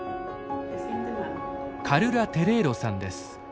カルラ・テレーロさんです。